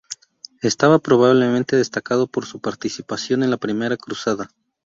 Estaba probablemente destacado por su participación en la Primera Cruzada.